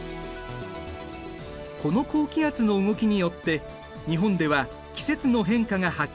この高気圧の動きによって日本では季節の変化がはっきりしているんだ。